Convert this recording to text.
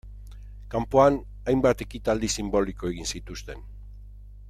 Kanpoan, hainbat ekitaldi sinboliko egin zituzten.